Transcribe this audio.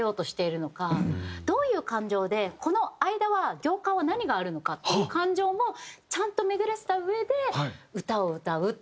どういう感情でこの間は行間は何があるのか？っていう感情もちゃんと巡らせたうえで歌を歌うっていう。